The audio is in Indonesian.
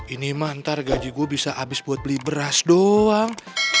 ini mah ntar gaji gue bisa abis buat beli beras doang